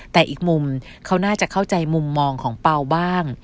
แต่อีกมุมเขาน่าจะเข้าใจมุมมองของเปล่าบ้าง